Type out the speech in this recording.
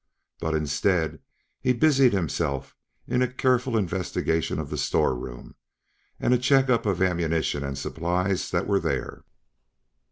But instead he busied himself in a careful investigation of the storeroom and a check up of ammunition and supplies that were there.